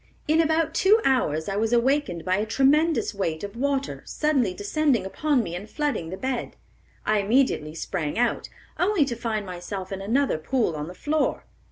In about two hours I was awakened by a tremendous weight of water suddenly descending upon me and flooding the bed. I immediately sprang out, only to find myself in another pool on the floor.